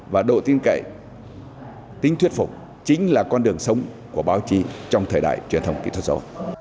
và độ tin cậy tính thuyết phục chính là con đường sống của báo chí trong thời đại truyền thông kỹ thuật số